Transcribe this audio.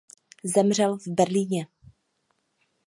Zemřel v Berlíně.